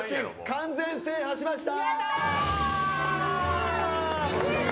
完全制覇しました！